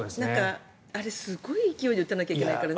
あれすごい勢いで打たなきゃいけないから。